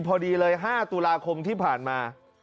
พอดีเลย๕ตุลาคมที่ผ่านมา